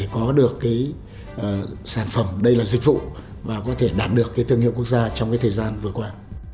có được sản phẩm đây là dịch vụ và có thể đạt được thương hiệu quốc gia trong thời gian vừa qua